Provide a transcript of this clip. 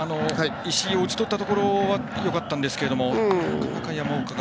石井を打ち取ったところはよかったんですけれども。